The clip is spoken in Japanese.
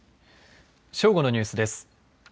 正午のニュースです。